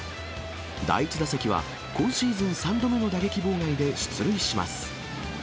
第１打席は今シーズン３度目の打撃妨害で出塁します。